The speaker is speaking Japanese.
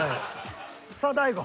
さあ大悟。